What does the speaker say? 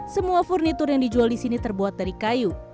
semua furnitur yang dijual di sini terbuat dari kayu